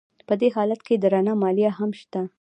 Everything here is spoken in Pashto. په دې حالت کې درنه مالیه هم شته